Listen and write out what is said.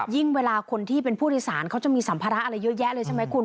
ยิ่งเวลาคนที่เป็นผู้ัฐศาลเขาจะมีสัมภาระอะไรเยอะแยะเลยใช่มั้ยคุณ